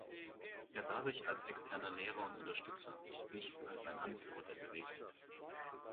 Er sah sich als externer Lehrer und Unterstützer, nicht als ein Anführer der Bewegung.